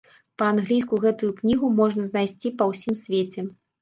Па-англійску гэтую кнігу можна знайсці па ўсім свеце.